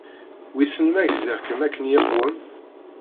Wissen ma gziɣ-kem akken yeqwem.